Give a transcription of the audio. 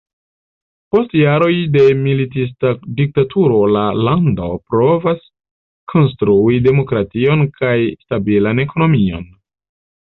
Post jaroj de militista diktaturo la lando provas konstrui demokration kaj stabilan ekonomion.